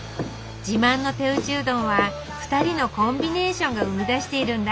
自慢の手打ちうどんは２人のコンビネーションが生み出しているんだ